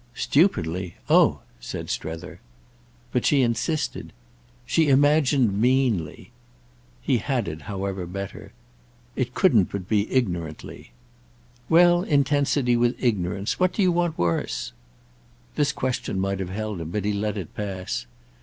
"Stupidly? Oh!" said Strether. But she insisted. "She imagined meanly." He had it, however, better. "It couldn't but be ignorantly." "Well, intensity with ignorance—what do you want worse?" This question might have held him, but he let it pass.